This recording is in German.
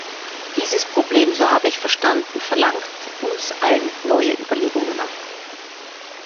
Dieses Problem, so habe ich verstanden, verlangt uns allen neue Überlegungen ab.